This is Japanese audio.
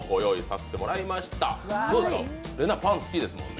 れなぁ、パン好きですもんね。